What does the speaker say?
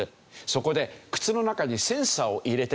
そこで靴の中にセンサーを入れてですね